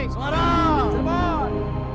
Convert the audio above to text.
semarang semarang semarang